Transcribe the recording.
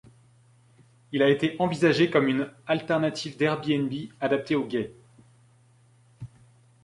Il a été envisagé comme une alternative d’Airbnb adaptée aux gays.